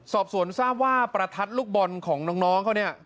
สอบสวนทราบว่าประทัดลูกบอลของน้องเขาเนี่ย